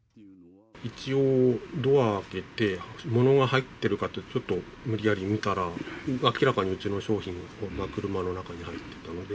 一応、ドア開けて、ものが入ってるかって、ちょっと無理やり見たら、明らかにうちの商品が車の中に入ってたので。